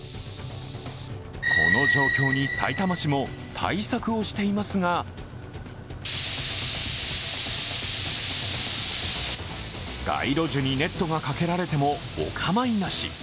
この状況にさいたま市も対策をしていますが街路樹にネットがかけられてもお構いなし。